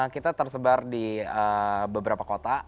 kita tersebar di beberapa kota